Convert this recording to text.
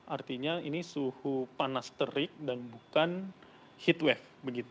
artinya ini suhu panas terik dan bukan heat wave begitu